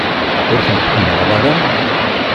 Ur tent-tḥemmleḍ ara?